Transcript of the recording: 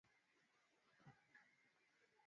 tulikuwa tunashtuka toka mwanzo kwamba mchezo wa mpira